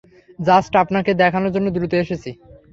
Just আপনাকে দেখানোর জন্য দ্রুত এসেছি।